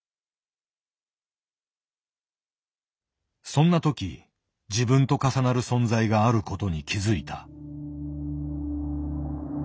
そんな時自分と重なる存在があることに気付いた。